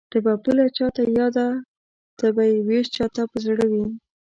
نه به پوله چاته یاده نه به وېش چاته په زړه وي